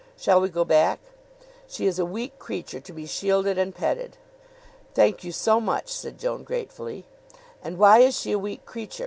Shall we go back? ... She is a weak creature, to be shielded and petted." "Thank you so much," said Joan gratefully. "And why is she a weak creature?